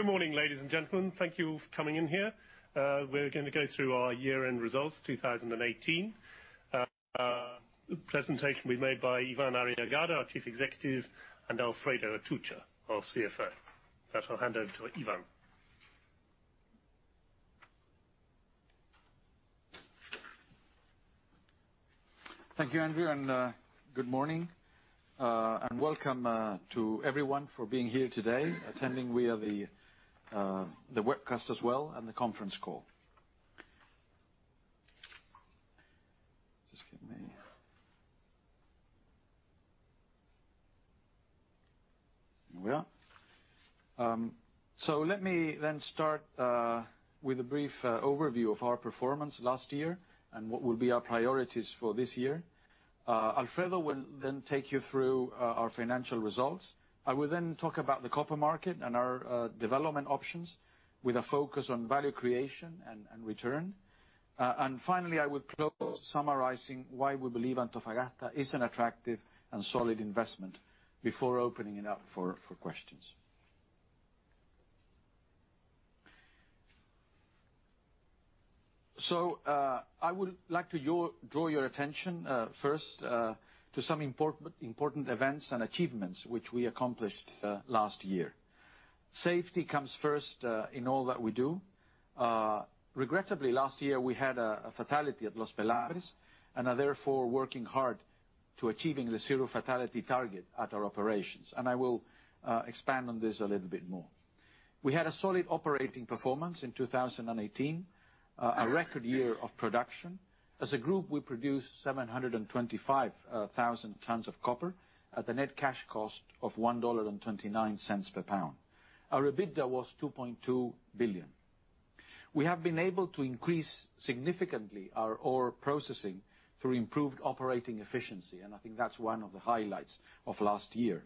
Good morning, ladies and gentlemen. Thank you for coming in here. We're going to go through our year-end results 2018. Presentation will be made by Iván Arriagada, our Chief Executive, and Alfredo Atucha, our CFO. First, I'll hand over to Iván. Thank you, Andrew, good morning, and welcome to everyone for being here today, attending via the webcast as well and the conference call. There we are. Let me then start with a brief overview of our performance last year and what will be our priorities for this year. Alfredo will then take you through our financial results. I will then talk about the copper market and our development options with a focus on value creation and return. Finally, I will close summarizing why we believe Antofagasta is an attractive and solid investment before opening it up for questions. I would like to draw your attention first to some important events and achievements which we accomplished last year. Safety comes first in all that we do. Regrettably, last year we had a fatality at Los Pelambres, and are therefore working hard to achieving the zero-fatality target at our operations. I will expand on this a little bit more. We had a solid operating performance in 2018, a record year of production. As a group, we produced 725,000 tonnes of copper at a net cash cost of $1.29 per pound. Our EBITDA was $2.2 billion. We have been able to increase significantly our ore processing through improved operating efficiency, and I think that's one of the highlights of last year.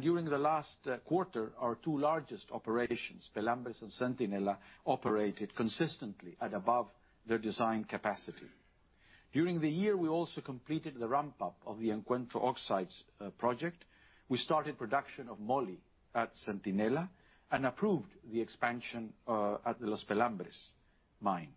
During the last quarter, our two largest operations, Pelambres and Centinela, operated consistently at above their design capacity. During the year, we also completed the ramp-up of the Encuentro Oxide project. We started production of moly at Centinela and approved the expansion at the Los Pelambres mine.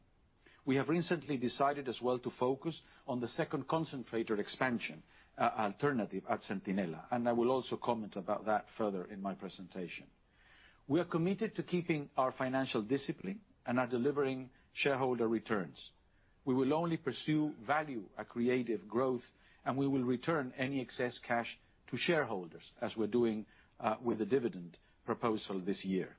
We have recently decided as well to focus on the second concentrator expansion alternative at Centinela, I will also comment about that further in my presentation. We are committed to keeping our financial discipline and are delivering shareholder returns. We will only pursue value accretive growth, we will return any excess cash to shareholders, as we're doing with the dividend proposal this year.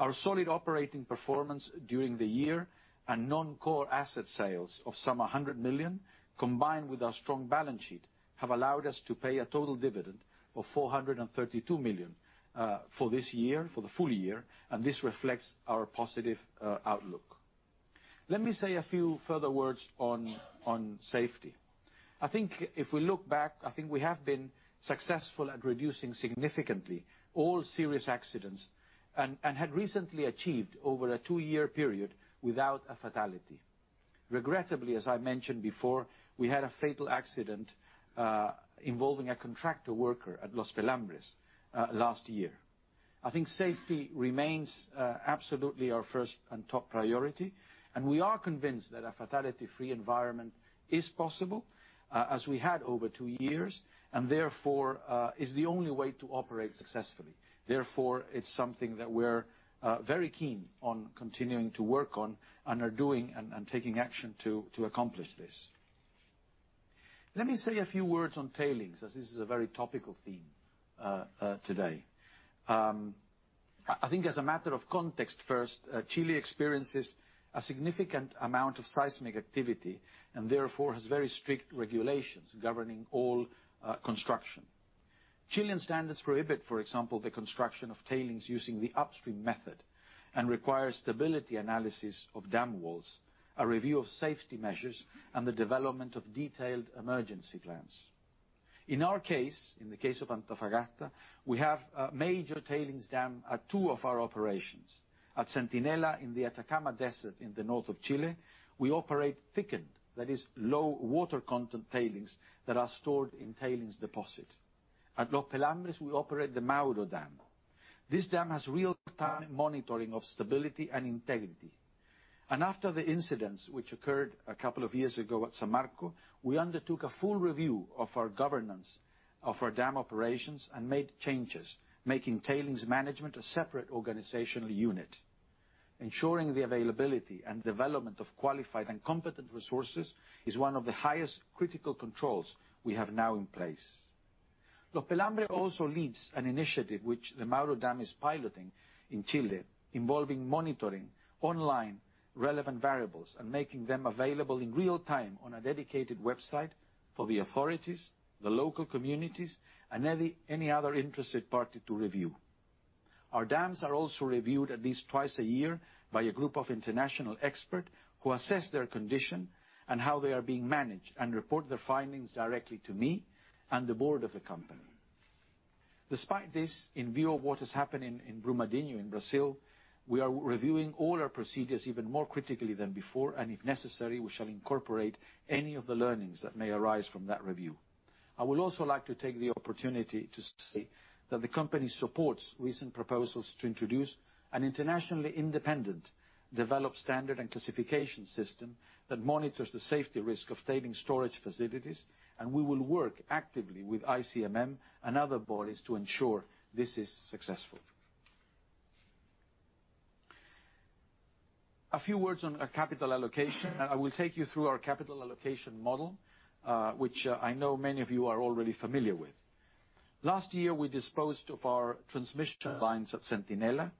Our solid operating performance during the year and non-core asset sales of some $100 million, combined with our strong balance sheet, have allowed us to pay a total dividend of $432 million for this year, for the full year, this reflects our positive outlook. Let me say a few further words on safety. I think if we look back, I think we have been successful at reducing significantly all serious accidents and had recently achieved over a two-year period without a fatality. Regrettably, as I mentioned before, we had a fatal accident involving a contractor worker at Los Pelambres last year. I think safety remains absolutely our first and top priority, and we are convinced that a fatality-free environment is possible, as we had over two years, and therefore, is the only way to operate successfully. Therefore, it's something that we're very keen on continuing to work on, and are doing and taking action to accomplish this. Let me say a few words on tailings, as this is a very topical theme today. I think as a matter of context first, Chile experiences a significant amount of seismic activity, and therefore, has very strict regulations governing all construction. Chilean standards prohibit, for example, the construction of tailings using the upstream method and require stability analysis of dam walls, a review of safety measures, and the development of detailed emergency plans. In our case, in the case of Antofagasta, we have a major tailings dam at two of our operations. At Centinela in the Atacama Desert in the north of Chile, we operate thickened, that is low water content tailings that are stored in tailings deposit. At Los Pelambres, we operate the Mauro Dam. This dam has real-time monitoring of stability and integrity. After the incidents which occurred a couple of years ago at Samarco, we undertook a full review of our governance of our dam operations and made changes, making tailings management a separate organizational unit. Ensuring the availability and development of qualified and competent resources is one of the highest critical controls we have now in place. Los Pelambres also leads an initiative which the Mauro Dam is piloting in Chile, involving monitoring online relevant variables and making them available in real time on a dedicated website for the authorities, the local communities, and any other interested party to review. Our dams are also reviewed at least twice a year by a group of international expert who assess their condition and how they are being managed, and report their findings directly to me and the board of the company. Despite this, in view of what has happened in Brumadinho in Brazil, we are reviewing all our procedures even more critically than before, and if necessary, we shall incorporate any of the learnings that may arise from that review. I would also like to take the opportunity to say that the company supports recent proposals to introduce an internationally independent, developed standard and classification system that monitors the safety risk of tailing storage facilities, and we will work actively with ICMM and other bodies to ensure this is successful. A few words on our capital allocation. I will take you through our capital allocation model, which I know many of you are already familiar with. Last year, we disposed of our transmission lines at Centinela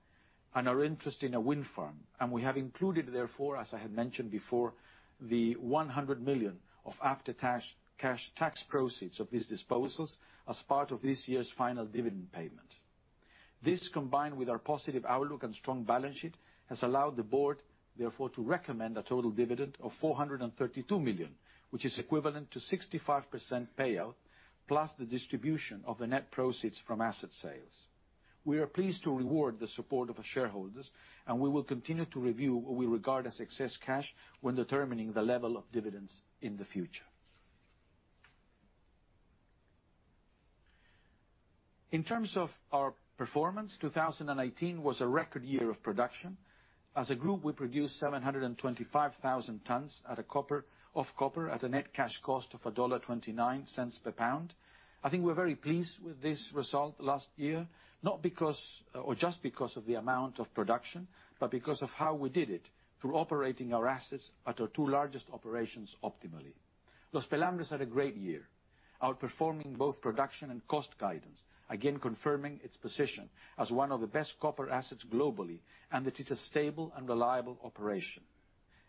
and our interest in a wind farm. We have included therefore, as I had mentioned before, the $100 million of after-tax cash proceeds of these disposals as part of this year's final dividend payment. This, combined with our positive outlook and strong balance sheet, has allowed the board therefore to recommend a total dividend of $432 million, which is equivalent to 65% payout, plus the distribution of the net proceeds from asset sales. We are pleased to reward the support of our shareholders. We will continue to review what we regard as excess cash when determining the level of dividends in the future. In terms of our performance, 2018 was a record year of production. As a group, we produced 725,000 tonnes of copper at a net cash cost of $1.29 per pound. I think we're very pleased with this result last year, not just because of the amount of production, but because of how we did it, through operating our assets at our two largest operations optimally. Los Pelambres had a great year, outperforming both production and cost guidance, again confirming its position as one of the best copper assets globally, that it's a stable and reliable operation.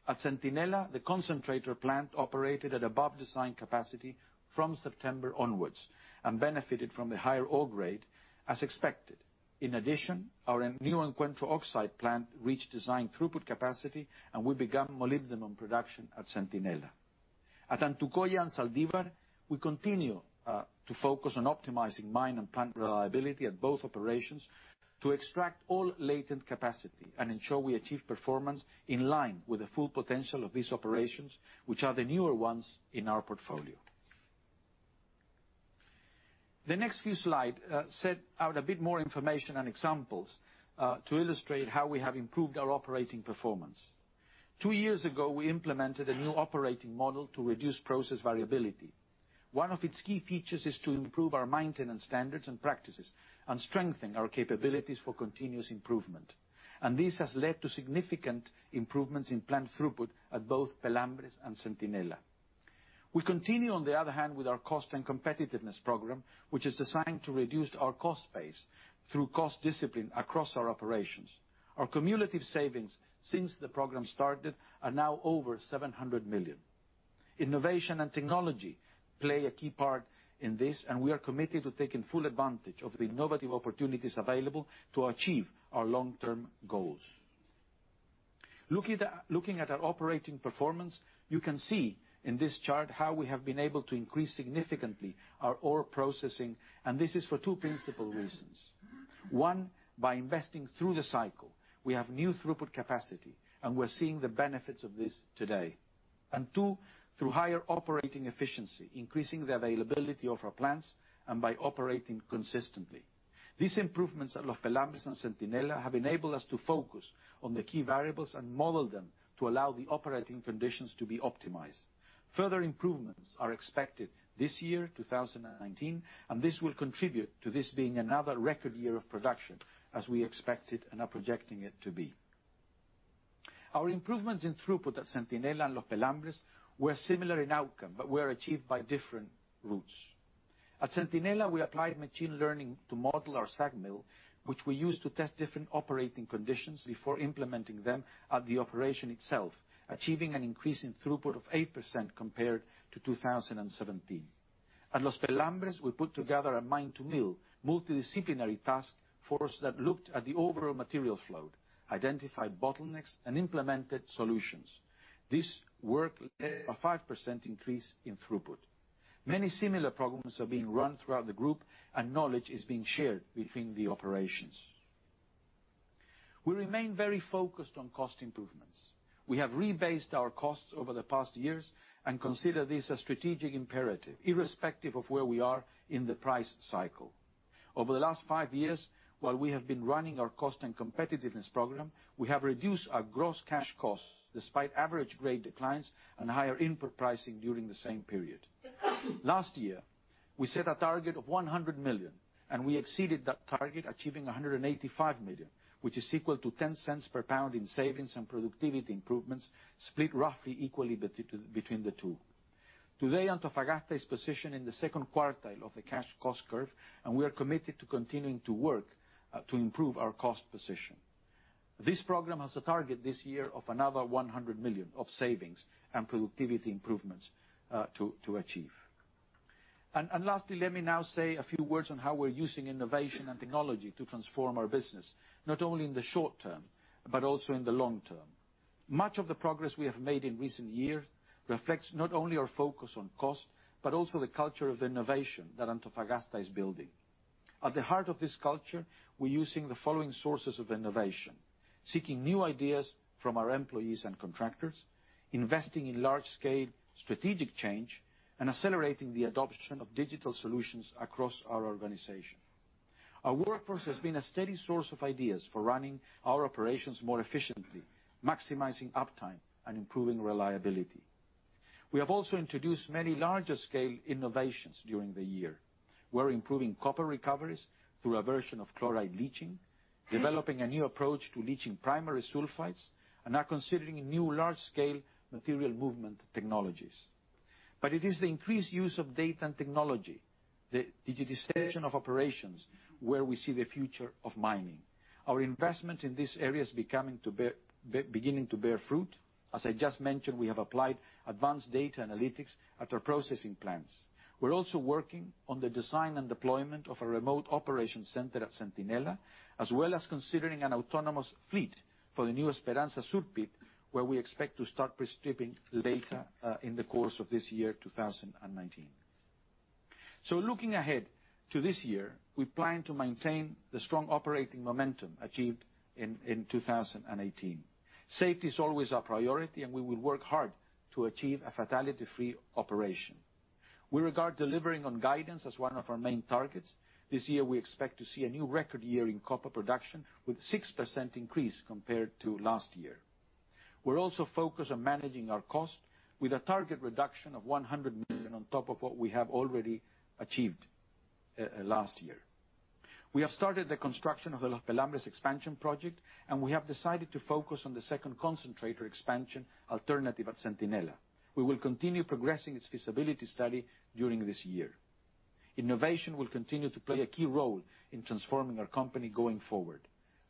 At Centinela, the concentrator plant operated at above design capacity from September onwards and benefited from the higher ore grade as expected. In addition, our new Encuentro Oxide plant reached design throughput capacity. We began molybdenum production at Centinela. At Antucoya and Zaldívar, we continue to focus on optimizing mine and plant reliability at both operations to extract all latent capacity and ensure we achieve performance in line with the full potential of these operations, which are the newer ones in our portfolio. The next few slides set out a bit more information and examples to illustrate how we have improved our operating performance. Two years ago, we implemented a new operating model to reduce process variability. One of its key features is to improve our maintenance standards and practices and strengthen our capabilities for continuous improvement. This has led to significant improvements in plant throughput at both Pelambres and Centinela. We continue, on the other hand, with our cost and competitiveness program, which is designed to reduce our cost base through cost discipline across our operations. Our cumulative savings since the program started are now over $700 million. Innovation and technology play a key part in this. We are committed to taking full advantage of the innovative opportunities available to achieve our long-term goals. Looking at our operating performance, you can see in this chart how we have been able to increase significantly our ore processing. This is for two principal reasons. One, by investing through the cycle. We have new throughput capacity. We're seeing the benefits of this today. Two, through higher operating efficiency, increasing the availability of our plants, by operating consistently. These improvements at Los Pelambres and Centinela have enabled us to focus on the key variables and model them to allow the operating conditions to be optimized. Further improvements are expected this year, 2019, and this will contribute to this being another record year of production, as we expected and are projecting it to be. Our improvements in throughput at Centinela and Los Pelambres were similar in outcome but were achieved by different routes. At Centinela, we applied machine learning to model our SAG mill, which we used to test different operating conditions before implementing them at the operation itself, achieving an increase in throughput of 8% compared to 2017. At Los Pelambres, we put together a mine-to-mill multidisciplinary task force that looked at the overall material flow, identified bottlenecks, and implemented solutions. This work led a 5% increase in throughput. Many similar programs are being run throughout the group, and knowledge is being shared between the operations. We remain very focused on cost improvements. We have rebased our costs over the past years and consider this a strategic imperative, irrespective of where we are in the price cycle. Over the last five years, while we have been running our Cost and Competitiveness Program, we have reduced our gross cash costs despite average grade declines and higher input pricing during the same period. Last year, we set a target of $100 million, and we exceeded that target, achieving $185 million, which is equal to $0.10 per pound in savings and productivity improvements, split roughly equally between the two. Today, Antofagasta is positioned in the second quartile of the cash cost curve, and we are committed to continuing to work to improve our cost position. This program has a target this year of another $100 million of savings and productivity improvements to achieve. Lastly, let me now say a few words on how we're using innovation and technology to transform our business, not only in the short term, but also in the long term. Much of the progress we have made in recent years reflects not only our focus on cost, but also the culture of innovation that Antofagasta is building. At the heart of this culture, we're using the following sources of innovation: seeking new ideas from our employees and contractors, investing in large-scale strategic change, and accelerating the adoption of digital solutions across our organization. Our workforce has been a steady source of ideas for running our operations more efficiently, maximizing uptime, and improving reliability. We have also introduced many larger scale innovations during the year. We're improving copper recoveries through a version of chloride leaching, developing a new approach to leaching primary sulfides, and are considering new large-scale material movement technologies. It is the increased use of data and technology, the digitization of operations, where we see the future of mining. Our investment in this area is beginning to bear fruit. As I just mentioned, we have applied advanced data analytics at our processing plants. We're also working on the design and deployment of a remote operation center at Centinela, as well as considering an autonomous fleet for the new Esperanza Sur pit, where we expect to start pre-stripping later in the course of this year, 2019. Looking ahead to this year, we plan to maintain the strong operating momentum achieved in 2018. Safety is always our priority, and we will work hard to achieve a fatality-free operation. We regard delivering on guidance as one of our main targets. This year, we expect to see a new record year in copper production, with 6% increase compared to last year. We are also focused on managing our cost with a target reduction of $100 million on top of what we have already achieved last year. We have started the construction of the Pelambres expansion project, and we have decided to focus on the second concentrator expansion alternative at Centinela. We will continue progressing its feasibility study during this year. Innovation will continue to play a key role in transforming our company going forward.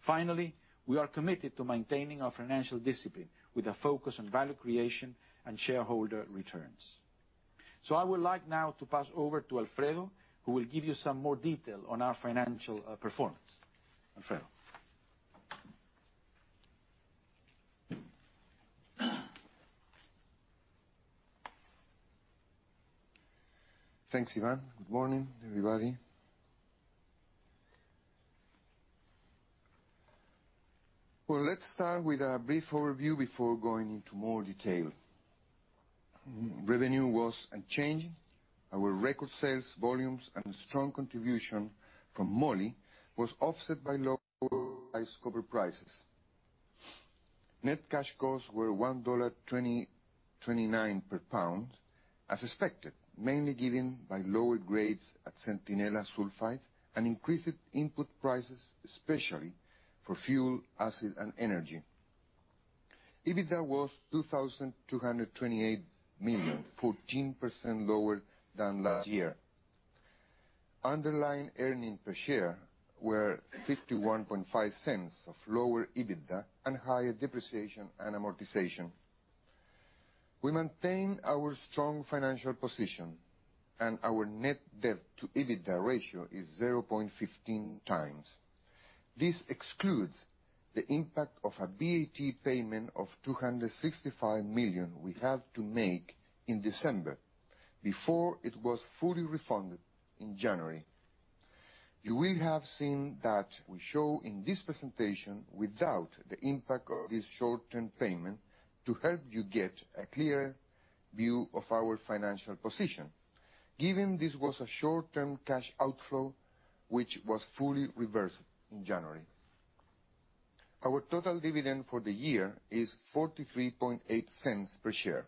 Finally, we are committed to maintaining our financial discipline with a focus on value creation and shareholder returns. I would like now to pass over to Alfredo, who will give you some more detail on our financial performance. Alfredo. Thanks, Iván. Good morning, everybody. Let's start with a brief overview before going into more detail. Revenue was unchanged. Our record sales volumes and strong contribution from moly was offset by low copper prices. Net cash costs were $1.29 per pound as expected, mainly given by lower grades at Centinela sulfides and increased input prices, especially for fuel, acid, and energy. EBITDA was $2,228 million, 14% lower than last year. Underlying earnings per share were $0.515 of lower EBITDA and higher depreciation and amortization. We maintain our strong financial position and our net debt to EBITDA ratio is 0.15 times. This excludes the impact of a VAT payment of $265 million we have to make in December before it was fully refunded in January. You will have seen that we show in this presentation without the impact of this short-term payment to help you get a clear view of our financial position, given this was a short-term cash outflow, which was fully reversed in January. Our total dividend for the year is $0.438 per share,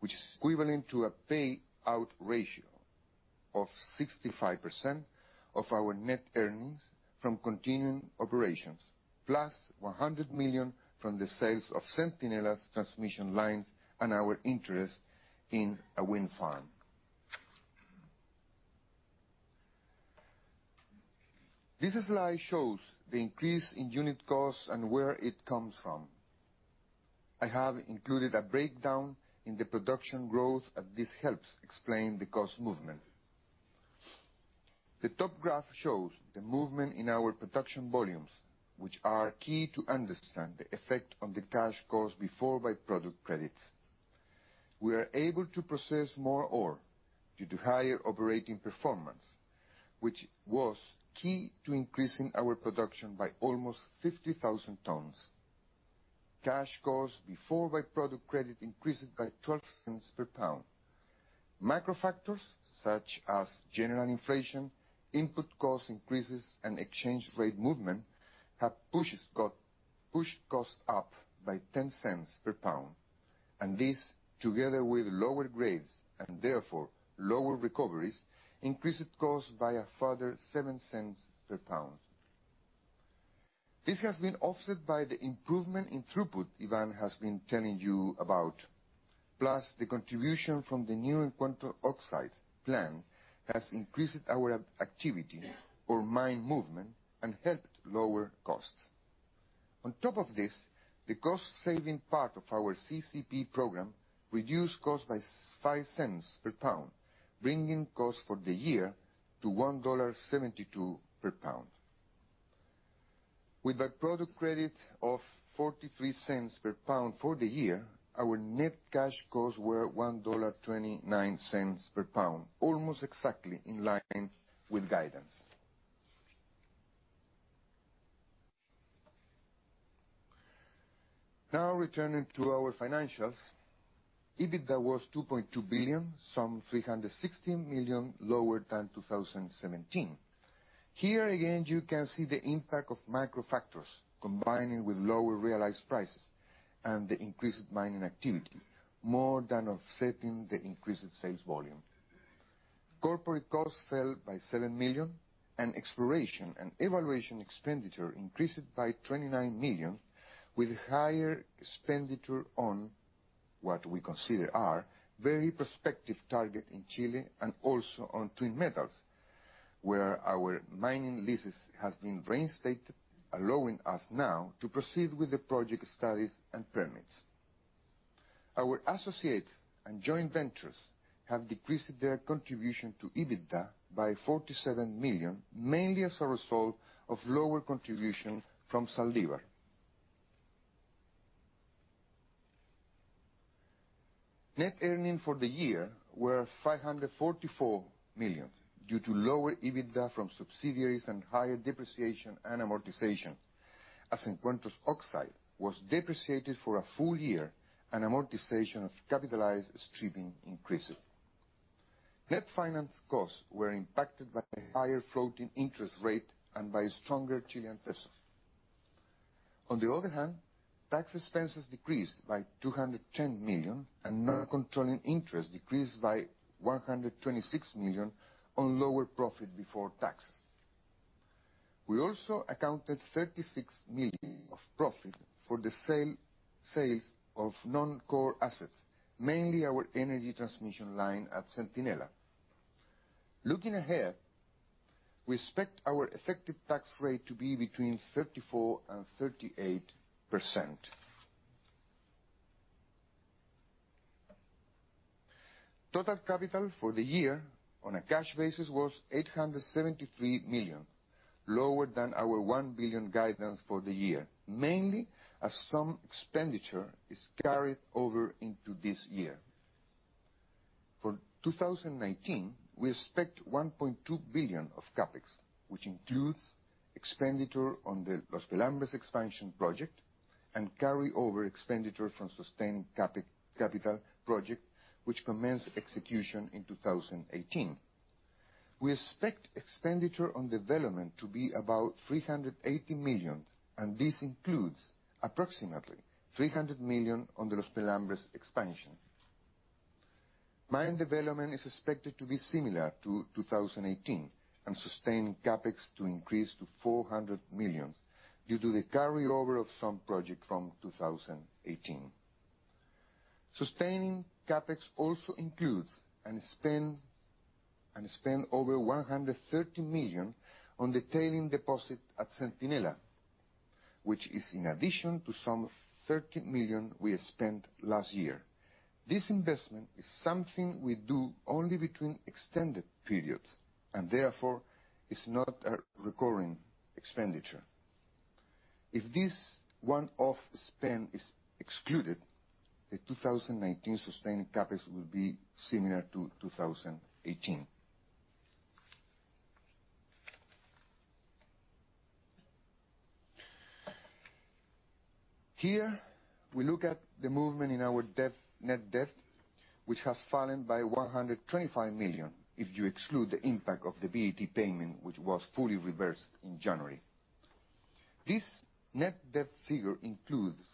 which is equivalent to a payout ratio of 65% of our net earnings from continuing operations, plus $100 million from the sales of Centinela's transmission lines and our interest in a wind farm. This slide shows the increase in unit cost and where it comes from. I have included a breakdown in the production growth as this helps explain the cost movement. The top graph shows the movement in our production volumes, which are key to understand the effect on the cash cost before by-product credits. We are able to process more ore due to higher operating performance, which was key to increasing our production by almost 50,000 tons. Cash cost before by-product credit increased by $0.12 per pound. Micro factors such as general inflation, input cost increases, and exchange rate movement, have pushed costs up by $0.10 per pound, and this, together with lower grades and therefore lower recoveries, increased costs by a further $0.07 per pound. This has been offset by the improvement in throughput Iván has been telling you about. Plus, the contribution from the new Encuentro Oxide plant has increased our activity, or mine movement, and helped lower costs. On top of this, the cost-saving part of our CCP program reduced costs by $0.05 per pound, bringing costs for the year to $1.72 per pound. With that product credit of $0.43 per pound for the year, our net cash costs were $1.29 per pound, almost exactly in line with guidance. Now returning to our financials. EBITDA was $2.2 billion, some $316 million lower than 2017. Here again, you can see the impact of micro factors combining with lower realized prices and the increased mining activity, more than offsetting the increased sales volume. Corporate costs fell by $7 million, and exploration and evaluation expenditure increased by $29 million, with higher expenditure on what we consider our very prospective target in Chile and also on Twin Metals, where our mining leases has been reinstated, allowing us now to proceed with the project studies and permits. Our associates and joint ventures have decreased their contribution to EBITDA by $47 million, mainly as a result of lower contribution from Zaldívar. Net earnings for the year were $544 million due to lower EBITDA from subsidiaries and higher depreciation and amortization, as Encuentro Oxide was depreciated for a full year, and amortization of capitalized stripping increased. Net finance costs were impacted by higher floating interest rate and by stronger Chilean peso. On the other hand, tax expenses decreased by $210 million, and non-controlling interest decreased by $126 million on lower profit before tax. We also accounted $36 million of profit for the sales of non-core assets, mainly our energy transmission line at Centinela. Looking ahead, we expect our effective tax rate to be between 34%-38%. Total capital for the year on a cash basis was $873 million, lower than our $1 billion guidance for the year, mainly as some expenditure is carried over into this year. For 2019, we expect $1.2 billion of CapEx, which includes expenditure on the Los Pelambres expansion project and carryover expenditure from sustained capital project, which commenced execution in 2018. We expect expenditure on development to be about $380 million, and this includes approximately $300 million on the Los Pelambres expansion. Mine development is expected to be similar to 2018, and sustained CapEx to increase to $400 million due to the carryover of some project from 2018. Sustained CapEx also includes and spend over $130 million on the tailing deposit at Centinela, which is in addition to some $30 million we spent last year. This investment is something we do only between extended periods, therefore, is not a recurring expenditure. If this one-off spend is excluded, the 2019 sustained CapEx will be similar to 2018. Here, we look at the movement in our net debt, which has fallen by $125 million if you exclude the impact of the VAT payment, which was fully reversed in January. This net debt figure includes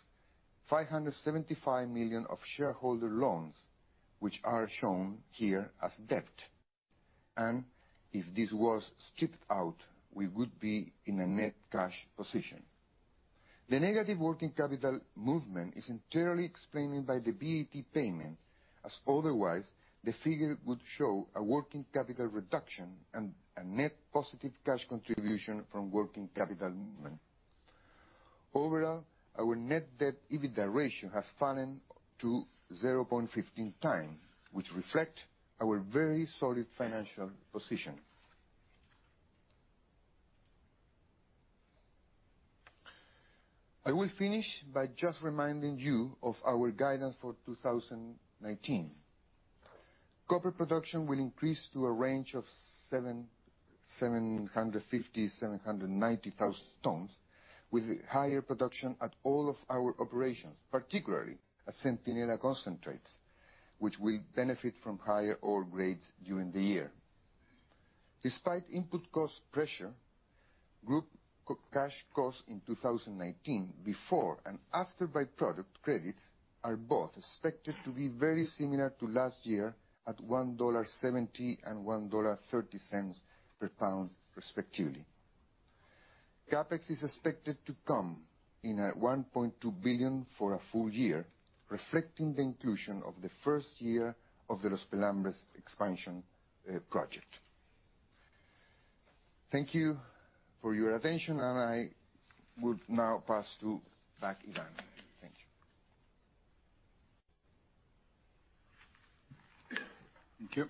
$575 million of shareholder loans, which are shown here as debt. If this was stripped out, we would be in a net cash position. The negative working capital movement is entirely explained by the VAT payment, as otherwise, the figure would show a working capital reduction and a net positive cash contribution from working capital movement. Overall, our net debt EBITDA ratio has fallen to 0.15 times, which reflect our very solid financial position. I will finish by just reminding you of our guidance for 2019. Copper production will increase to a range of 750,000-790,000 tons, with higher production at all of our operations, particularly at Centinela Concentrates, which will benefit from higher ore grades during the year. Despite input cost pressure, group cash cost in 2019, before and after by-product credits, are both expected to be very similar to last year at $1.70 and $1.30 per pound respectively. CapEx is expected to come in at $1.2 billion for a full year, reflecting the inclusion of the first year of the Los Pelambres expansion project. Thank you for your attention, and I would now pass to back Iván. Thank you Thank you.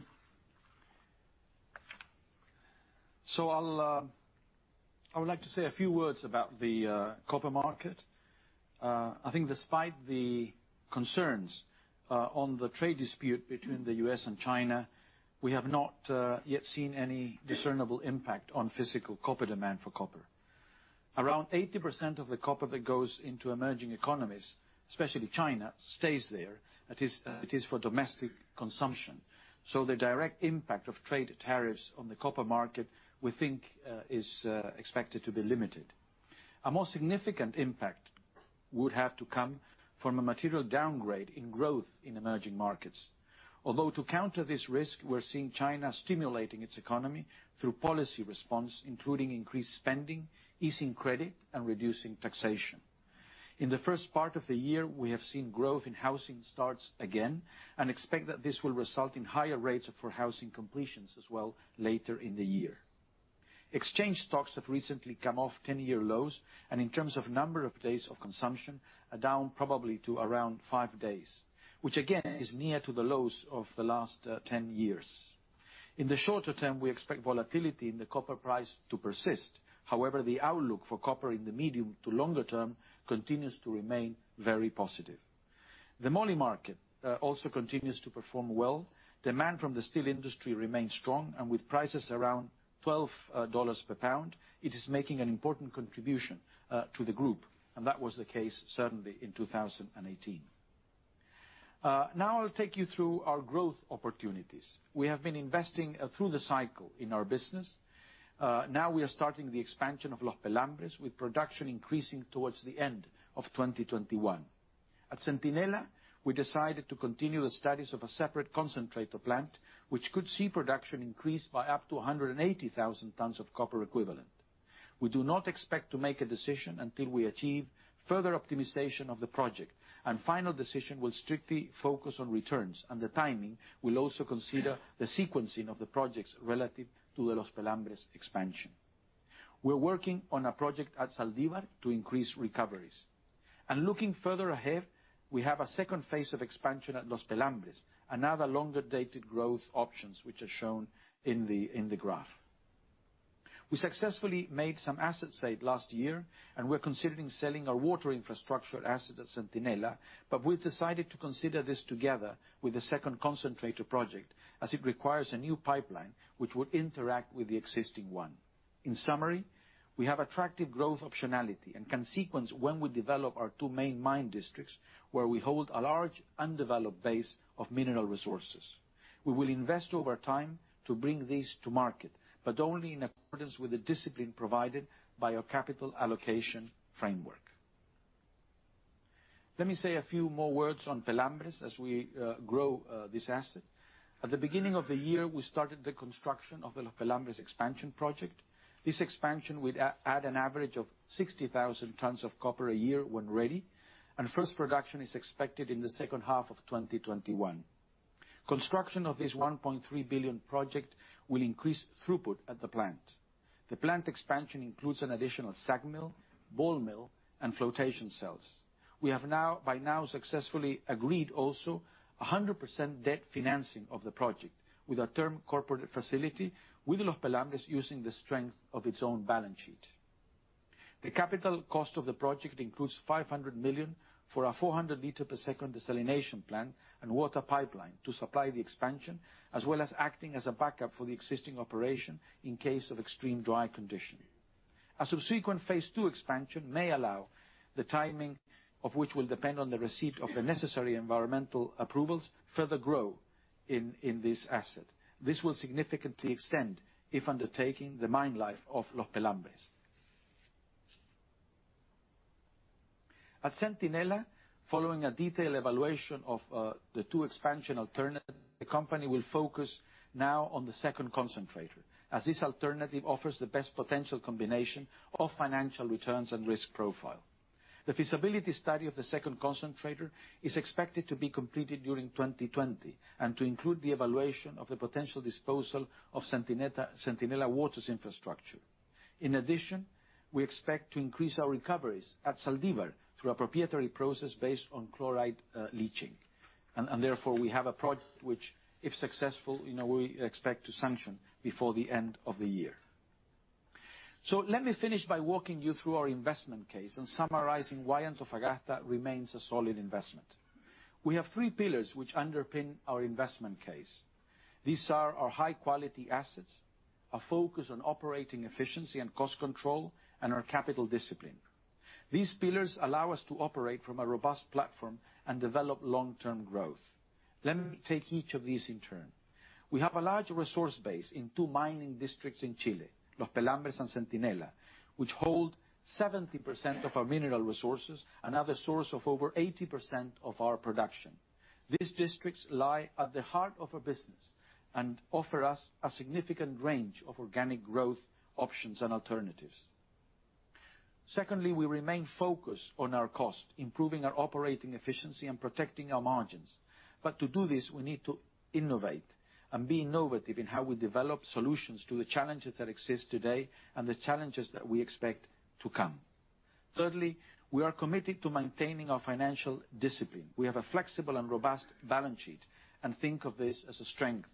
I would like to say a few words about the copper market. I think despite the concerns on the trade dispute between the U.S. and China, we have not yet seen any discernible impact on physical copper demand for copper. Around 80% of the copper that goes into emerging economies, especially China, stays there. It is for domestic consumption. The direct impact of trade tariffs on the copper market, we think, is expected to be limited. A more significant impact would have to come from a material downgrade in growth in emerging markets. To counter this risk, we're seeing China stimulating its economy through policy response, including increased spending, easing credit, and reducing taxation. In the first part of the year, we have seen growth in housing starts again and expect that this will result in higher rates for housing completions as well, later in the year. Exchange stocks have recently come off 10-year lows, and in terms of number of days of consumption, are down probably to around five days, which again, is near to the lows of the last 10 years. In the shorter term, we expect volatility in the copper price to persist. The outlook for copper in the medium to longer term continues to remain very positive. The moly market also continues to perform well. Demand from the steel industry remains strong, and with prices around $12 per pound, it is making an important contribution to the group, and that was the case certainly in 2018. I'll take you through our growth opportunities. We have been investing through the cycle in our business. We are starting the expansion of Los Pelambres, with production increasing towards the end of 2021. At Centinela, we decided to continue the studies of a separate concentrator plant, which could see production increase by up to 180,000 tons of copper equivalent. We do not expect to make a decision until we achieve further optimization of the project. Final decision will strictly focus on returns. The timing will also consider the sequencing of the projects relative to the Los Pelambres expansion. We're working on a project at Zaldívar to increase recoveries. Looking further ahead, we have a second phase of expansion at Los Pelambres, another longer-dated growth options, which are shown in the graph. We successfully made some asset sales last year. We're considering selling our water infrastructure asset at Centinela. We've decided to consider this together with the second concentrator project, as it requires a new pipeline, which would interact with the existing one. In summary, we have attractive growth optionality and can sequence when we develop our two main mine districts, where we hold a large undeveloped base of mineral resources. We will invest over time to bring these to market, only in accordance with the discipline provided by our capital allocation framework. Let me say a few more words on Pelambres as we grow this asset. At the beginning of the year, we started the construction of the Los Pelambres expansion project. This expansion will add an average of 60,000 tonnes of copper a year when ready. First production is expected in the second half of 2021. Construction of this $1.3 billion project will increase throughput at the plant. The plant expansion includes an additional SAG mill, ball mill, and flotation cells. We have by now successfully agreed also 100% debt financing of the project with our term corporate facility with Los Pelambres using the strength of its own balance sheet. The capital cost of the project includes $500 million for a 400-liter-per-second desalination plant and water pipeline to supply the expansion, as well as acting as a backup for the existing operation in case of extreme dry condition. A subsequent phase 2 expansion may allow, the timing of which will depend on the receipt of the necessary environmental approvals, further grow in this asset. This will significantly extend, if undertaken, the mine life of Los Pelambres. At Centinela, following a detailed evaluation of the two expansion alternatives, the company will focus now on the second concentrator, as this alternative offers the best potential combination of financial returns and risk profile. The feasibility study of the second concentrator is expected to be completed during 2020 and to include the evaluation of the potential disposal of Centinela Waters infrastructure. In addition, we expect to increase our recoveries at Zaldívar through a proprietary process based on chloride leaching. Therefore, we have a project which, if successful, we expect to sanction before the end of the year. Let me finish by walking you through our investment case and summarizing why Antofagasta remains a solid investment. We have three pillars which underpin our investment case. These are our high-quality assets, our focus on operating efficiency and cost control, and our capital discipline. These pillars allow us to operate from a robust platform and develop long-term growth. Let me take each of these in turn. We have a large resource base in two mining districts in Chile, Los Pelambres and Centinela, which hold 70% of our mineral resources, another source of over 80% of our production. These districts lie at the heart of our business and offer us a significant range of organic growth options and alternatives. Secondly, we remain focused on our cost, improving our operating efficiency, and protecting our margins. To do this, we need to innovate and be innovative in how we develop solutions to the challenges that exist today and the challenges that we expect to come. Thirdly, we are committed to maintaining our financial discipline. We have a flexible and robust balance sheet. Think of this as a strength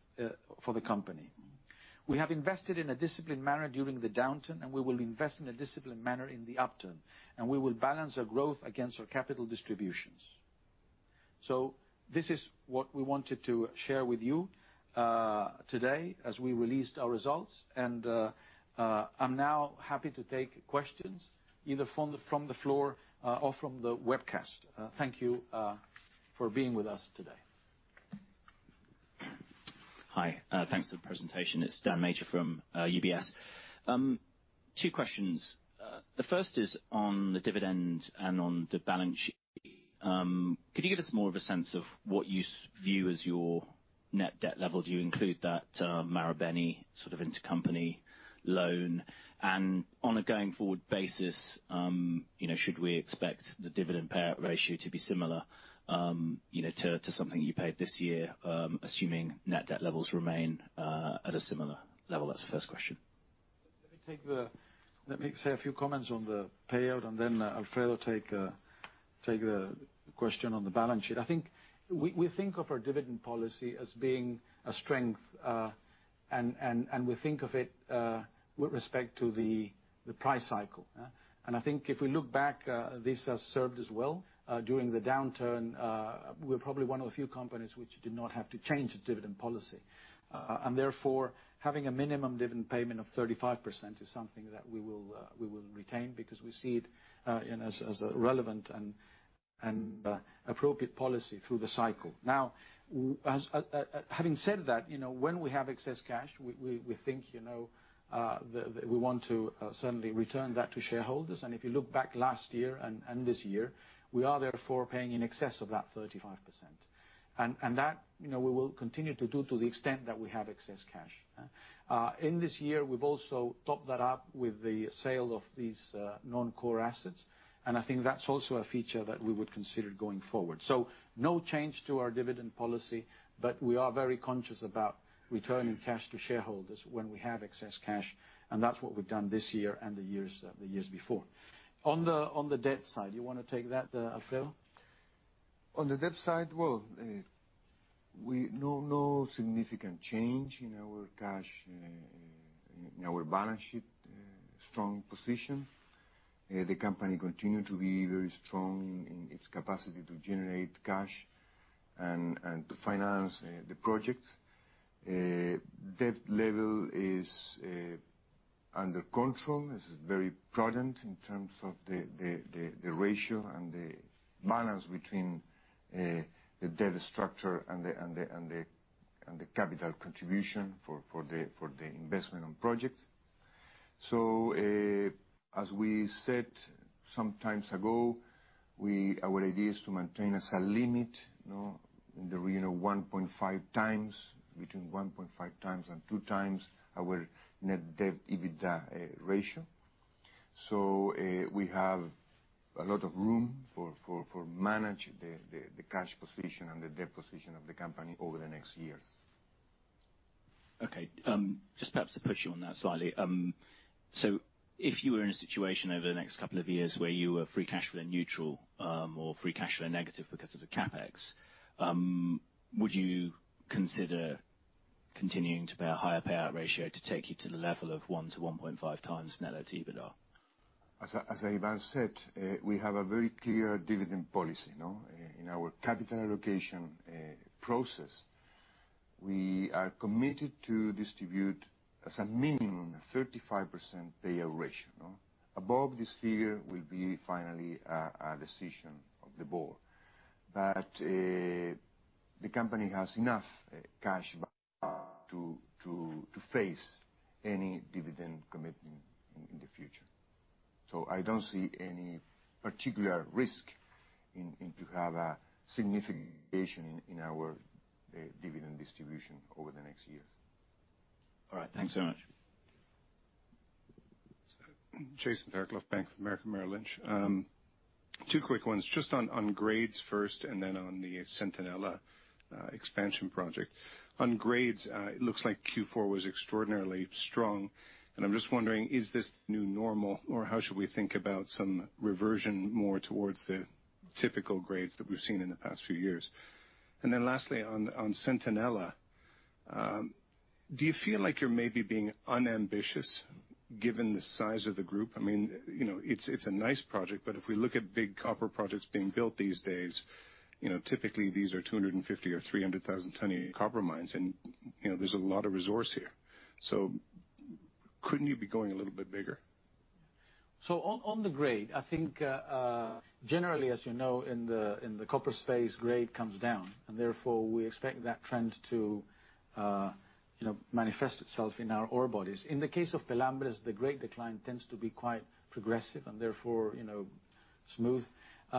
for the company. We have invested in a disciplined manner during the downturn. We will invest in a disciplined manner in the upturn. We will balance our growth against our capital distributions. This is what we wanted to share with you today as we released our results. I'm now happy to take questions, either from the floor or from the webcast. Thank you for being with us today. Hi. Thanks for the presentation. It's Dan Major from UBS. Two questions. The first is on the dividend and on the balance sheet. Could you give us more of a sense of what you view as your net debt level? Do you include that Marubeni sort of intercompany loan? On a going forward basis, should we expect the dividend payout ratio to be similar to something you paid this year, assuming net debt levels remain at a similar level? That's the first question. Let me say a few comments on the payout. Then Alfredo take the question on the balance sheet. We think of our dividend policy as being a strength. We think of it with respect to the price cycle. I think if we look back, this has served us well. During the downturn, we're probably one of the few companies which did not have to change its dividend policy. Therefore, having a minimum dividend payment of 35% is something that we will retain because we see it as a relevant and appropriate policy through the cycle. Having said that, when we have excess cash, we think that we want to certainly return that to shareholders. If you look back last year and this year, we are therefore paying in excess of that 35%. That, we will continue to do to the extent that we have excess cash. In this year, we've also topped that up with the sale of these non-core assets. I think that's also a feature that we would consider going forward. No change to our dividend policy, but we are very conscious about returning cash to shareholders when we have excess cash. That's what we've done this year and the years before. On the debt side, you want to take that, Alfredo? On the debt side, well, no significant change in our cash, in our balance sheet. Strong position. The company continue to be very strong in its capacity to generate cash and to finance the projects. Debt level is under control, is very prudent in terms of the ratio and the balance between the debt structure and the capital contribution for the investment on projects. As we said some times ago, our idea is to maintain as a limit in the region of 1.5 times, between 1.5 times and two times our net debt EBITDA ratio. We have a lot of room for manage the cash position and the debt position of the company over the next years. Okay. Just perhaps to push you on that slightly. If you were in a situation over the next couple of years where you were free cash flow neutral, or free cash flow negative because of the CapEx, would you consider continuing to pay a higher payout ratio to take you to the level of one to 1.5 times net debt EBITDA? As Iván said, we have a very clear dividend policy. In our capital allocation process, we are committed to distribute as a minimum 35% payout ratio. Above this figure will be finally a decision of the board. The company has enough cash to face any dividend commitment in the future. I don't see any particular risk to have a significant variation in our dividend distribution over the next years. All right. Thanks so much. Jason Fairclough of Bank of America Merrill Lynch. Two quick ones, just on grades first, and then on the Centinela expansion project. On grades, it looks like Q4 was extraordinarily strong. I'm just wondering, is this new normal, or how should we think about some reversion more towards the typical grades that we've seen in the past few years? Lastly, on Centinela, do you feel like you're maybe being unambitious, given the size of the group? It's a nice project, but if we look at big copper projects being built these days, typically these are 250,000 or 300,000 ton a year copper mines, and there's a lot of resource here. Couldn't you be going a little bit bigger? On the grade, I think, generally, as you know, in the copper space, grade comes down. Therefore, we expect that trend to manifest itself in our ore bodies. In the case of Pelambres, the grade decline tends to be quite progressive, and therefore, smooth.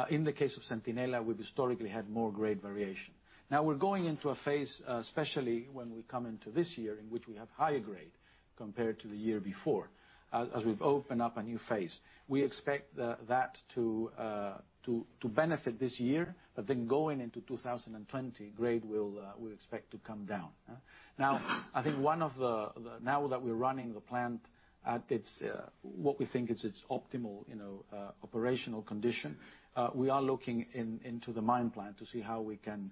In the case of Centinela, we've historically had more grade variation. We're going into a phase, especially when we come into this year, in which we have higher grade compared to the year before, as we've opened up a new phase. We expect that to benefit this year, going into 2020, grade we expect to come down. Now that we're running the plant at what we think is its optimal operational condition, we are looking into the mine plan to see how we can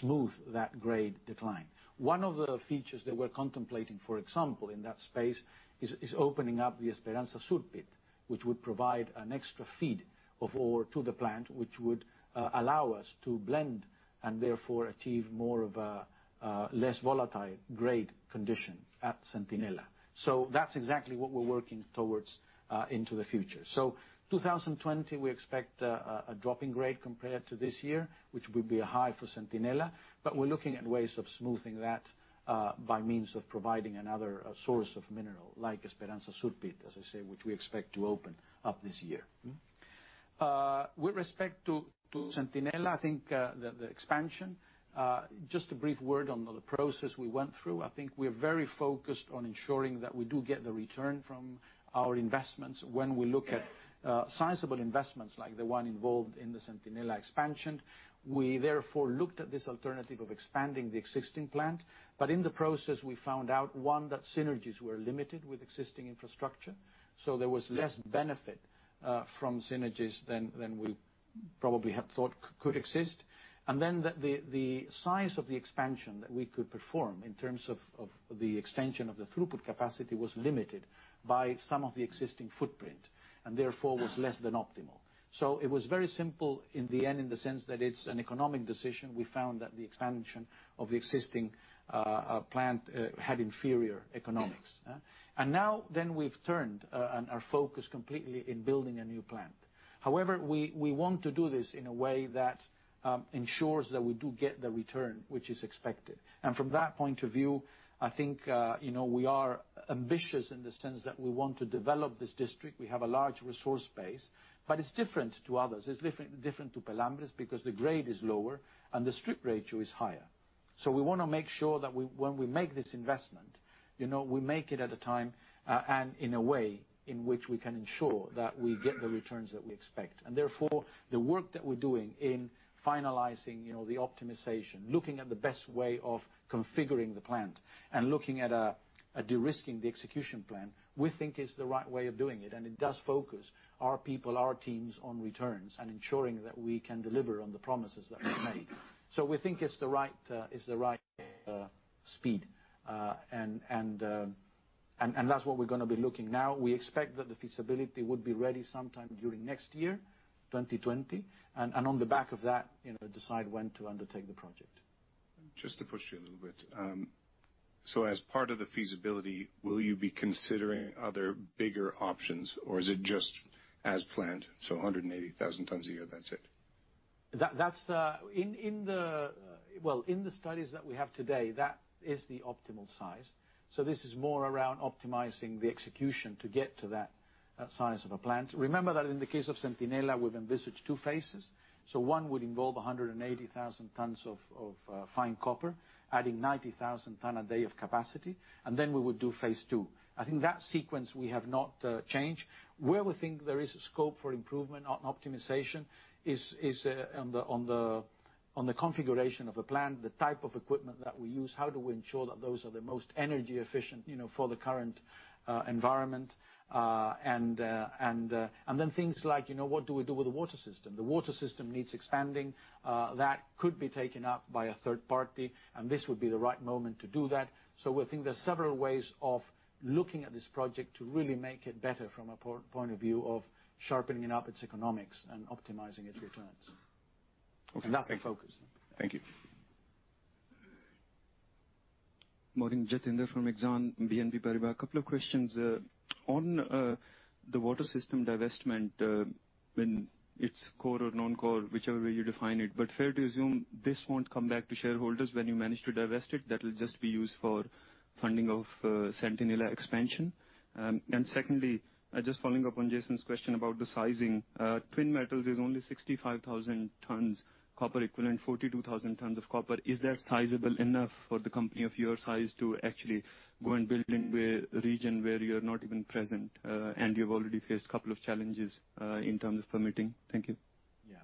smooth that grade decline. One of the features that we're contemplating, for example, in that space, is opening up the Esperanza Sur Pit, which would provide an extra feed of ore to the plant, which would allow us to blend and therefore achieve more of a less volatile grade condition at Centinela. That's exactly what we're working towards, into the future. 2020, we expect a drop in grade compared to this year, which will be a high for Centinela. We're looking at ways of smoothing that, by means of providing another source of mineral like Esperanza Sur Pit, as I say, which we expect to open up this year. With respect to Centinela, I think, the expansion, just a brief word on the process we went through. I think we're very focused on ensuring that we do get the return from our investments. When we look at sizeable investments like the one involved in the Centinela expansion, we therefore looked at this alternative of expanding the existing plant. In the process, we found out, one, that synergies were limited with existing infrastructure, so there was less benefit from synergies than we probably had thought could exist. The size of the expansion that we could perform in terms of the extension of the throughput capacity was limited by some of the existing footprint, and therefore was less than optimal. It was very simple in the end, in the sense that it's an economic decision. We found that the expansion of the existing plant had inferior economics. Now then we've turned our focus completely in building a new plant. However, we want to do this in a way that ensures that we do get the return which is expected. From that point of view, I think, we are ambitious in the sense that we want to develop this district. We have a large resource base. It's different to others. It's different to Pelambres because the grade is lower and the strip ratio is higher. We want to make sure that when we make this investment, we make it at a time, and in a way in which we can ensure that we get the returns that we expect. Therefore, the work that we're doing in finalizing the optimization, looking at the best way of configuring the plant, and looking at de-risking the execution plan, we think is the right way of doing it. It does focus our people, our teams, on returns and ensuring that we can deliver on the promises that we've made. We think it's the right speed. That's what we're going to be looking. We expect that the feasibility would be ready sometime during next year, 2020. On the back of that, decide when to undertake the project. Just to push you a little bit. As part of the feasibility, will you be considering other bigger options, or is it just as planned, 180,000 tons a year, that's it? In the studies that we have today, that is the optimal size. This is more around optimizing the execution to get to that size of a plant. Remember that in the case of Centinela, we've envisaged 2 phases. One would involve 180,000 tons of fine copper, adding 90,000 ton a day of capacity, then we would do phase 2. I think that sequence we have not changed. Where we think there is scope for improvement and optimization is on the configuration of the plant, the type of equipment that we use, how do we ensure that those are the most energy efficient for the current environment. Then things like, what do we do with the water system? The water system needs expanding. That could be taken up by a third party, this would be the right moment to do that. We think there's several ways of looking at this project to really make it better from a point of view of sharpening up its economics and optimizing its returns. Okay. That's the focus. Thank you. Morning. Jitender from Exane BNP Paribas. A couple of questions. On the water system divestment, when it's core or non-core, whichever way you define it. Fair to assume this won't come back to shareholders when you manage to divest it? That will just be used for funding of Centinela expansion. Secondly, just following up on Jason's question about the sizing. Twin Metals is only 65,000 tons copper equivalent, 42,000 tons of copper. Is that sizable enough for the company of your size to actually go and build in region where you're not even present, and you've already faced a couple of challenges, in terms of permitting? Thank you. Yeah.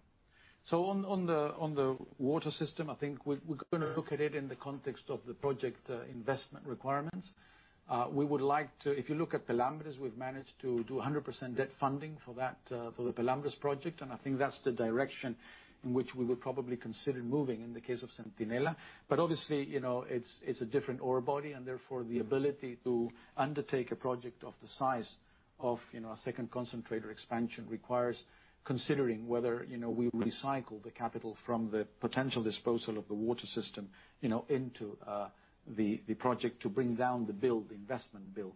So on the water system, I think we're going to look at it in the context of the project investment requirements. If you look at Pelambres, we've managed to do 100% debt funding for the Pelambres project, and I think that's the direction in which we would probably consider moving in the case of Centinela. But obviously, it's a different ore body and therefore the ability to undertake a project of the size of a second concentrator expansion requires considering whether we recycle the capital from the potential disposal of the water system into the project to bring down the bill, the investment bill.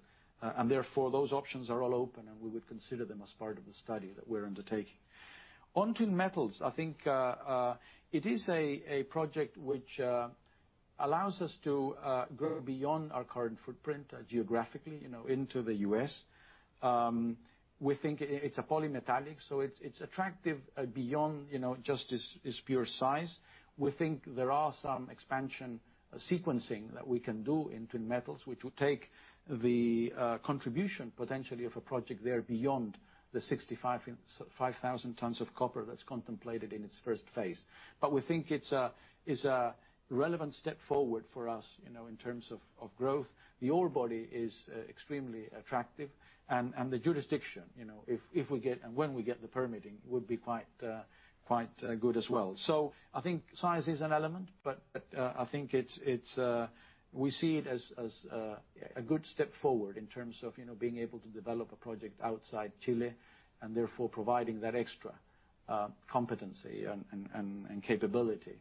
Therefore, those options are all open, and we would consider them as part of the study that we're undertaking. On Twin Metals, I think, it is a project which allows us to grow beyond our current footprint geographically into the U.S. We think it's a polymetallic, so it's attractive beyond just its pure size. We think there are some expansion sequencing that we can do in Twin Metals, which will take the contribution potentially of a project there beyond the 65,000 tons of copper that's contemplated in its first phase. But we think it's a relevant step forward for us in terms of growth. The ore body is extremely attractive and the jurisdiction, if we get and when we get the permitting, would be quite good as well. So I think size is an element, but I think we see it as a good step forward in terms of being able to develop a project outside Chile, and therefore providing that extra competency and capability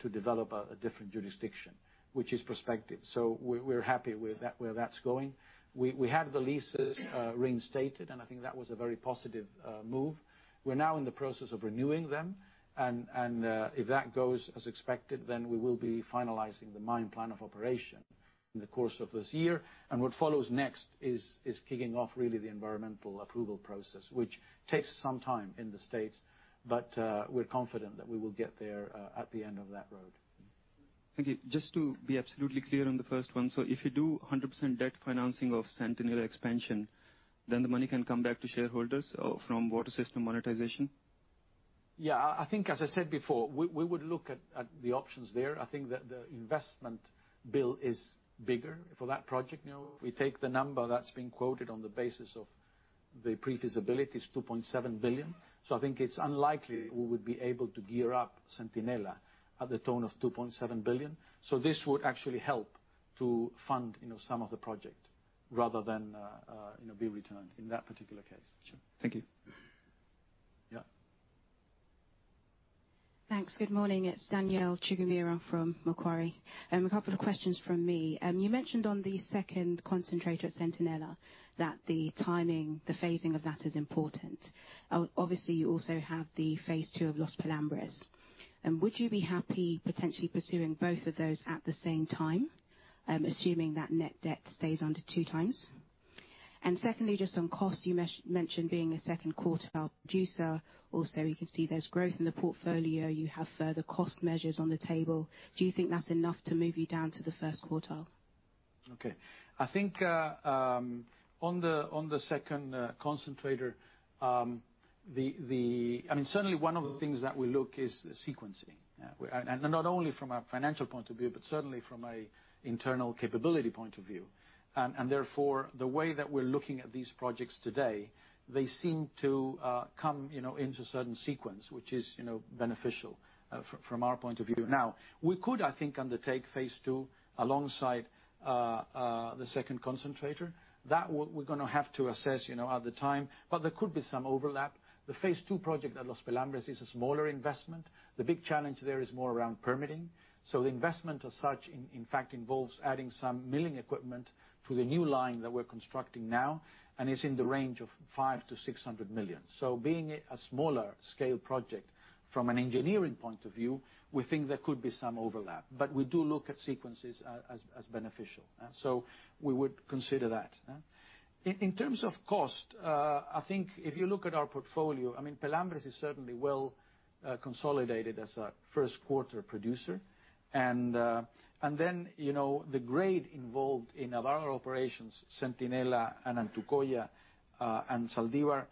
to develop a different jurisdiction. Which is prospective. So we're happy with where that's going. We had the leases reinstated, and I think that was a very positive move. We're now in the process of renewing them, and if that goes as expected, then we will be finalizing the mine plan of operation in the course of this year. What follows next is kicking off really the environmental approval process, which takes some time in the States, but we're confident that we will get there at the end of that road. Thank you. Just to be absolutely clear on the first one, so if you do 100% debt financing of Centinela expansion, then the money can come back to shareholders from water system monetization? Yeah. I think, as I said before, we would look at the options there. I think that the investment bill is bigger for that project. If we take the number that's been quoted on the basis of the pre-feasibility is $2.7 billion. I think it's unlikely we would be able to gear up Centinela at the tone of $2.7 billion. This would actually help to fund some of the project rather than be returned in that particular case. Sure. Thank you. Yeah. Thanks. Good morning, it's Danielle Chigumira from Macquarie. A couple of questions from me. You mentioned on the second concentrator at Centinela that the timing, the phasing of that, is important. Obviously, you also have the phase 2 of Los Pelambres. Would you be happy potentially pursuing both of those at the same time, assuming that net debt stays under two times? Secondly, just on cost, you mentioned being a second quartile producer. Also, you can see there's growth in the portfolio. You have further cost measures on the table. Do you think that's enough to move you down to the first quartile? Okay. I think on the second concentrator, certainly one of the things that we look is the sequencing. Not only from a financial point of view, but certainly from a internal capability point of view. Therefore, the way that we're looking at these projects today, they seem to come into a certain sequence, which is beneficial from our point of view. We could, I think, undertake phase 2 alongside the second concentrator. That one we're going to have to assess at the time. There could be some overlap. The phase 2 project at Los Pelambres is a smaller investment. The big challenge there is more around permitting. The investment as such, in fact, involves adding some milling equipment to the new line that we're constructing now and is in the range of $500 million-$600 million. Being a smaller scale project from an engineering point of view, we think there could be some overlap, but we do look at sequences as beneficial. We would consider that. In terms of cost, I think if you look at our portfolio, Pelambres is certainly well consolidated as a first quartile producer. The grade involved in our operations, Centinela and Antucoya and Zaldívar,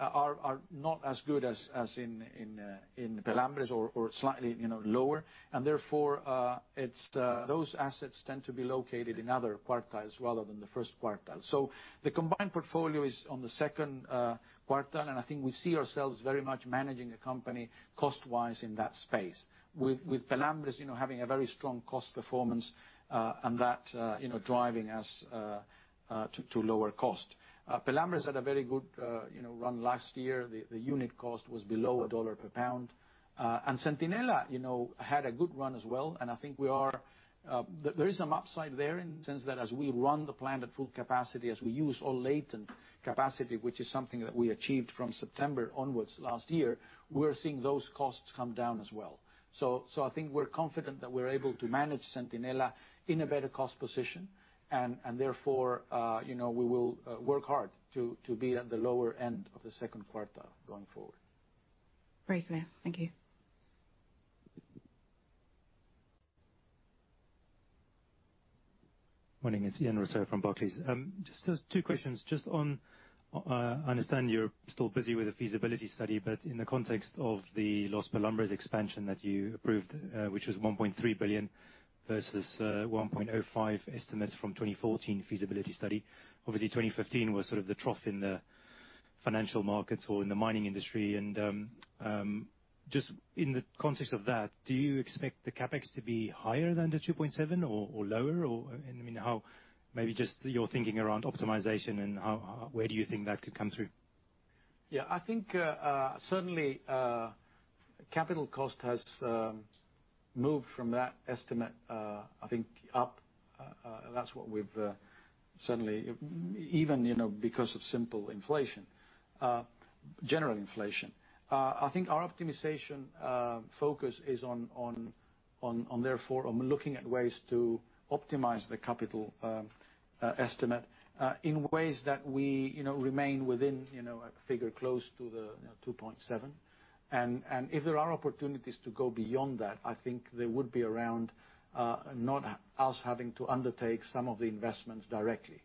are not as good as in Pelambres or slightly lower. Therefore, those assets tend to be located in other quartiles rather than the first quartile. The combined portfolio is on the second quartile, and I think we see ourselves very much managing a company cost-wise in that space. With Pelambres having a very strong cost performance, and that driving us to lower cost. Pelambres had a very good run last year. The unit cost was below $1 per pound. Centinela had a good run as well, and I think there is some upside there in the sense that as we run the plant at full capacity, as we use all latent capacity, which is something that we achieved from September onwards last year, we're seeing those costs come down as well. I think we're confident that we're able to manage Centinela in a better cost position, and therefore, we will work hard to be at the lower end of the second quartile going forward. Very clear. Thank you. Morning, it's Ian Rossier from Barclays. Just two questions. I understand you're still busy with the feasibility study, but in the context of the Los Pelambres expansion that you approved, which was $1.3 billion versus $1.05 billion estimates from 2014 feasibility study. Obviously, 2015 was sort of the trough in the financial markets or in the mining industry, and just in the context of that, do you expect the CapEx to be higher than the $2.7 billion or lower? Maybe just your thinking around optimization and where do you think that could come through? Yeah. I think, certainly, capital cost has moved from that estimate, I think, up. Even because of simple inflation, general inflation. I think our optimization focus is therefore on looking at ways to optimize the capital estimate in ways that we remain within a figure close to $2.7. If there are opportunities to go beyond that, I think they would be around not us having to undertake some of the investments directly.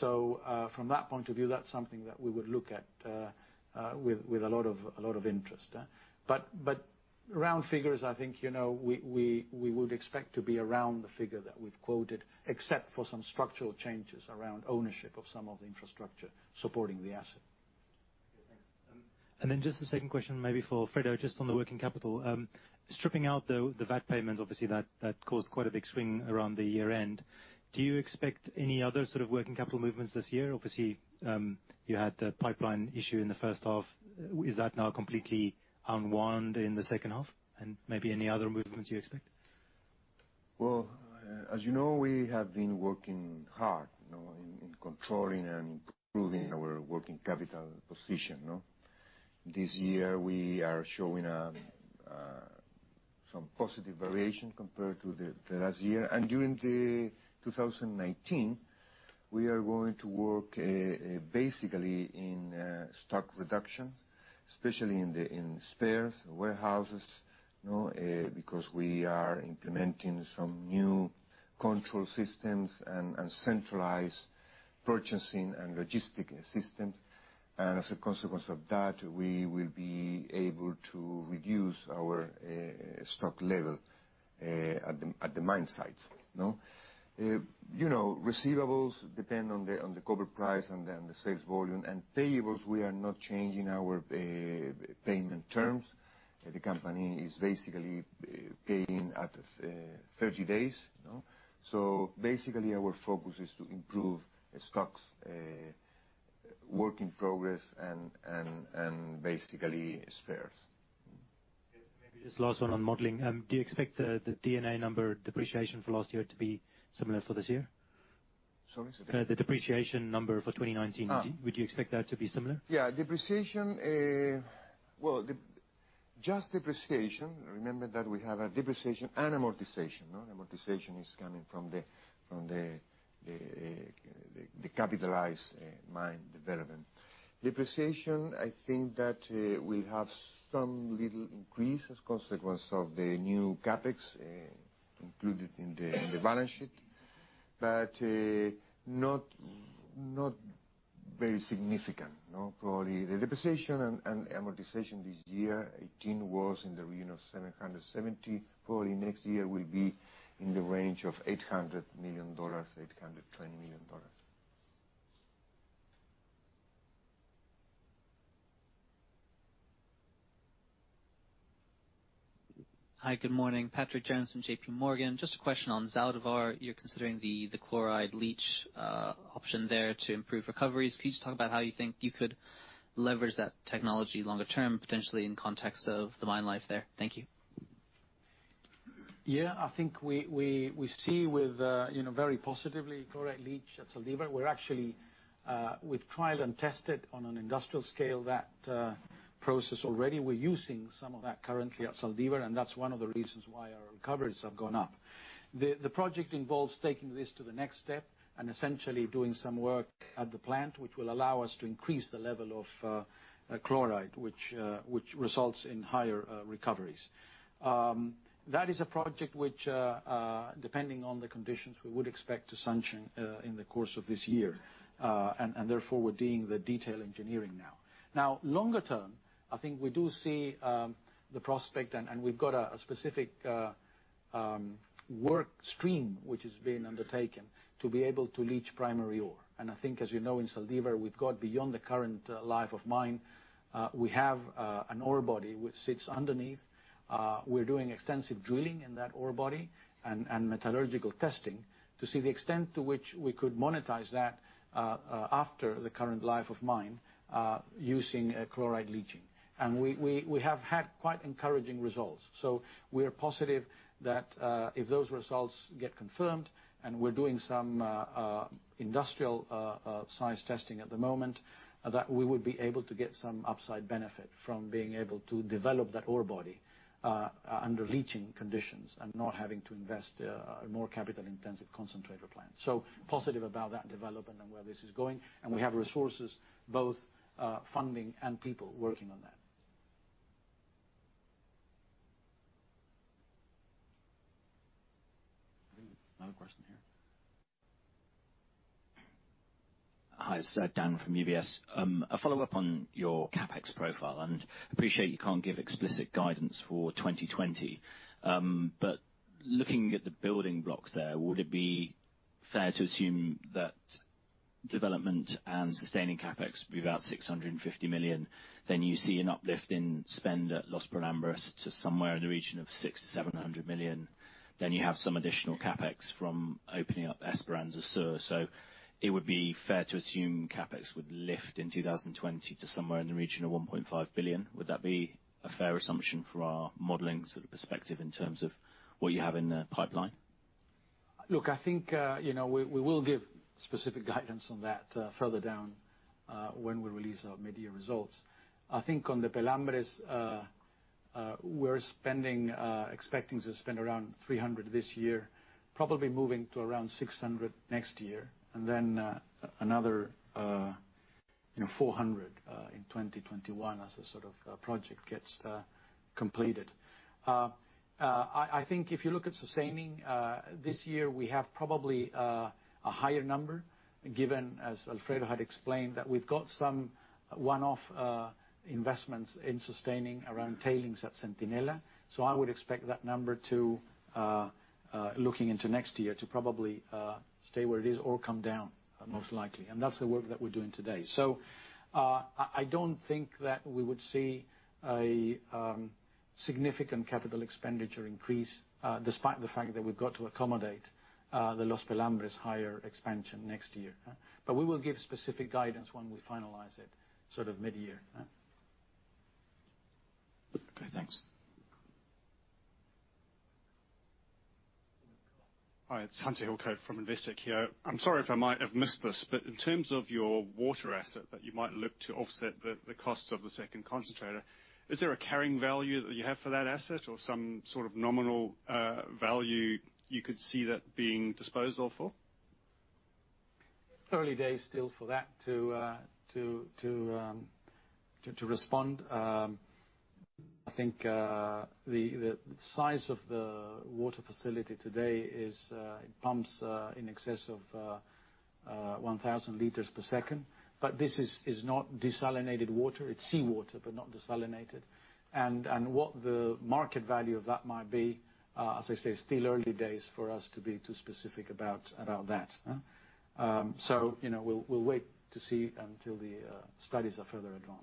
From that point of view, that's something that we would look at with a lot of interest. Round figures, I think, we would expect to be around the figure that we've quoted, except for some structural changes around ownership of some of the infrastructure supporting the asset. Okay, thanks. Just the second question maybe for Alfredo, just on the working capital. Stripping out the VAT payment, obviously that caused quite a big swing around the year-end. Do you expect any other sort of working capital movements this year? Obviously, you had the pipeline issue in the first half. Is that now completely unwound in the second half? Maybe any other movements you expect? Well, as you know, we have been working hard in controlling and improving our working capital position. This year, we are showing some positive variation compared to the last year. During 2019, we are going to work basically in stock reduction, especially in spares, warehouses, because we are implementing some new control systems and centralized purchasing and logistic systems. As a consequence of that, we will be able to reduce our stock level at the mine sites. Receivables depend on the copper price and then the sales volume. Payables, we are not changing our payment terms. The company is basically paying at 30 days. Basically, our focus is to improve stocks, work in progress, and basically spares. Maybe just last one on modeling. Do you expect the D&A number depreciation for last year to be similar for this year? Sorry? The depreciation number for 2019- Would you expect that to be similar? Yeah. Well, just depreciation, remember that we have a depreciation and amortization. Amortization is coming from the capitalized mine development. Depreciation, I think that we have some little increase as consequence of the new CapEx included in the balance sheet, but not very significant. For the depreciation and amortization this year, 2018 was in the region of $770 million. Probably next year will be in the range of $800 million, $820 million. Hi, good morning. Patrick Jones from JP Morgan. Just a question on Zaldívar. You're considering the chloride leach option there to improve recoveries. Can you just talk about how you think you could leverage that technology longer term, potentially in context of the mine life there? Thank you. Yeah. I think we see with very positively chloride leach at Zaldívar. We've tried and tested on an industrial scale that process already. We're using some of that currently at Zaldívar, and that's one of the reasons why our recoveries have gone up. The project involves taking this to the next step and essentially doing some work at the plant, which will allow us to increase the level of chloride, which results in higher recoveries. That is a project which, depending on the conditions, we would expect to sanction in the course of this year. Therefore, we're doing the detail engineering now. Longer term, I think we do see the prospect, and we've got a specific work stream which is being undertaken to be able to leach primary ore. I think, as you know, in Zaldívar, we've got beyond the current life of mine, we have an ore body which sits underneath. We're doing extensive drilling in that ore body and metallurgical testing to see the extent to which we could monetize that after the current life of mine, using chloride leaching. We have had quite encouraging results. We're positive that if those results get confirmed, and we're doing some industrial-size testing at the moment, that we would be able to get some upside benefit from being able to develop that ore body under leaching conditions and not having to invest a more capital-intensive concentrator plant. Positive about that development and where this is going, and we have resources, both funding and people working on that. I think another question here. Hi, Dan from UBS. A follow-up on your CapEx profile, and appreciate you can't give explicit guidance for 2020. Looking at the building blocks there, would it be fair to assume that development and sustaining CapEx would be about $650 million? You see an uplift in spend at Los Pelambres to somewhere in the region of $600 million-$700 million. You have some additional CapEx from opening up Esperanza Sur. It would be fair to assume CapEx would lift in 2020 to somewhere in the region of $1.5 billion. Would that be a fair assumption from our modeling perspective in terms of what you have in the pipeline? We will give specific guidance on that further down, when we release our mid-year results. On the Pelambres, we're expecting to spend around $300 this year, probably moving to around $600 next year, and then another $400 in 2021 as the project gets completed. If you look at sustaining, this year, we have probably a higher number given, as Alfredo had explained, that we've got some one-off investments in sustaining around tailings at Centinela. I would expect that number, looking into next year, to probably stay where it is or come down most likely. That's the work that we're doing today. I don't think that we would see a significant capital expenditure increase, despite the fact that we've got to accommodate the Los Pelambres higher expansion next year. We will give specific guidance when we finalize it mid-year. Okay, thanks. Hi, it's Hunter Hillcoat from Investec here. I'm sorry if I might have missed this, in terms of your water asset that you might look to offset the cost of the second concentrator, is there a carrying value that you have for that asset or some sort of nominal value you could see that being disposed of for? Early days still for that to respond. The size of the water facility today is it pumps in excess of 1,000 liters per second. This is not desalinated water. It's seawater, but not desalinated. What the market value of that might be, as I say, still early days for us to be too specific about that. We'll wait to see until the studies are further advanced.